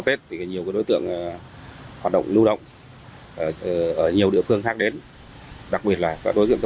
tuy nhiên đối tượng huy không chấp hành hiệu lệnh